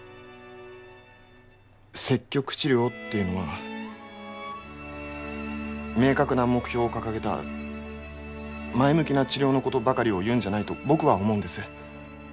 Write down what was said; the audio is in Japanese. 積極治療っていうのは明確な目標を掲げた前向きな治療のことばかりを言うんじゃないと僕は思うんです。